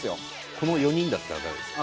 この４人だったら誰ですか？